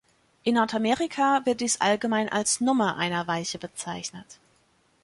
In Nordamerika wird dies allgemein als „Nummer“ einer Weiche bezeichnet.